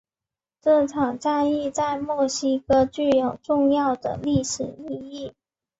这场战役在墨西哥具有重要的历史意义。